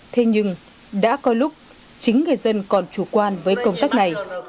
thế nhưng đã có lúc chính người dân còn chủ quan với công tác này